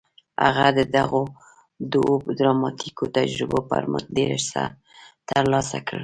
هغه د دغو دوو ډراماتيکو تجربو پر مټ ډېر څه ترلاسه کړل.